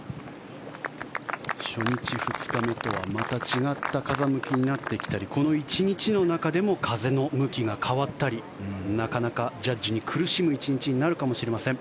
初日、２日目とはまた違った風向きになってきたりこの１日の中でも風の向きが変わったりなかなかジャッジに苦しむ１日になるかもしれません。